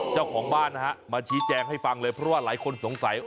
เจ้าของบ้านนะฮะมาชี้แจงให้ฟังเลยเพราะว่าหลายคนสงสัย